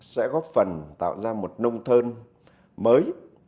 sẽ góp phần tạo ra một nông thơn mới